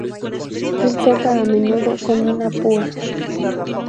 Él toca a menudo con una púa.